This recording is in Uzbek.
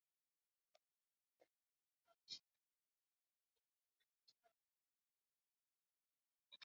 Kattalar qayta-qayta paxta terilishni o‘yladi.